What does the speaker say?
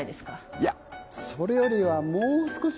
いやそれよりはもう少し